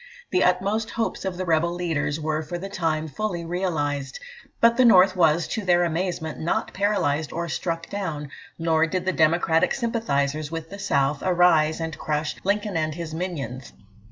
The utmost hopes of the rebel leaders were for the time fully realised. But the North was, to their amazement, not paralysed or struck down, nor did the Democratic sympathisers with the South arise and crush "Lincoln and his minions."